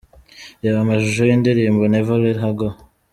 Reba amashusho y'indirimbo 'Never let her go'.